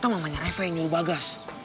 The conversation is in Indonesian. ternyata mamanya reva yang nyuruh bagas